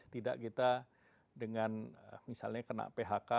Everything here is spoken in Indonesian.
tidak kita dengan misalnya kena phk